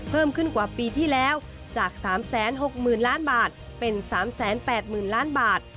เพิ่มขึ้นกว่าปีที่แล้วจาก๓๖๐๐๐ล้านบาทเป็น๓๘๐๐๐ล้านบาท